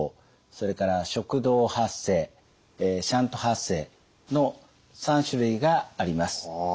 それから食道発声シャント発声の３種類があります。